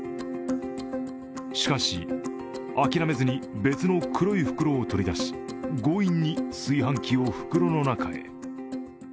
しかし、諦めずに別の黒い袋を取り出し、強引に炊飯器を袋の中へ。